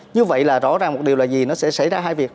như vậy là rõ ràng một điều là gì nó sẽ xảy ra hai việc